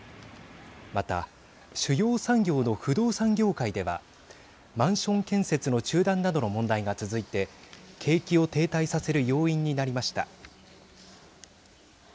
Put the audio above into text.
また主要産業の不動産業界ではマンション建設の中断などの問題が続いて景気を停滞させる要因になりました。